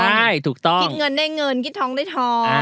อย่างบ้างคือได้เงินได้เงินคิดทองได้ทอง